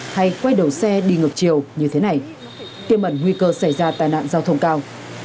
hay quay đầu xe đi ngược chiều như thế này tiêm ẩn nguy cơ xảy ra tai nạn giao thông cao